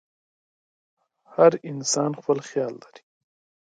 هر انسان خپل خیال لري.